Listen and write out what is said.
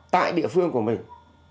tại địa phương của mình